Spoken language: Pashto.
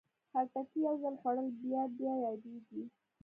خټکی یو ځل خوړل بیا بیا یادېږي.